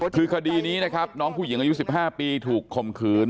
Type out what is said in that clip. คือคดีนี้นะครับน้องผู้หญิงอายุ๑๕ปีถูกข่มขืน